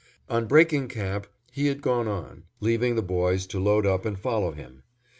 On breaking camp he had gone on, leaving the boys to load up and follow him.